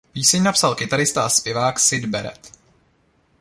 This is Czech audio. Píseň napsal kytarista a zpěvák Syd Barrett.